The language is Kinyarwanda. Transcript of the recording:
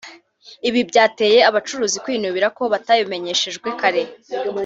Ibi byateye abacuruzi kwinubira ko batabimenyeshejwe kare